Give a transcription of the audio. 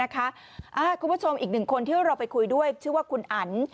คุณผู้ชมอีกหนึ่งคนที่เราไปคุยด้วยชื่อว่าคุณอัน